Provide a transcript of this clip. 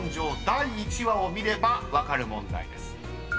第１話を見れば分かる問題です］